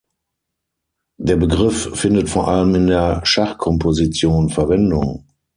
Der Begriff findet vor allem in der Schachkomposition Verwendung.